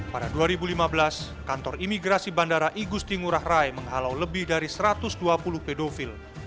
pada dua ribu lima belas kantor imigrasi bandara igusti ngurah rai menghalau lebih dari satu ratus dua puluh pedofil